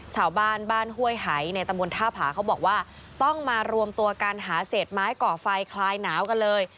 ชาวบ้านบ้านห้วยหายในตำบลท่าผาเขาบอกว่าต้องมารวมตัวกันหาเศษไม้ก่อไฟคลายหนาวกันเลย